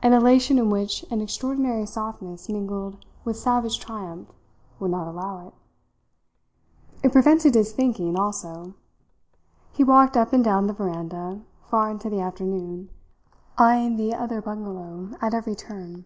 An elation in which an extraordinary softness mingled with savage triumph would not allow it. It prevented his thinking, also. He walked up and down the veranda far into the afternoon, eyeing the other bungalow at every turn.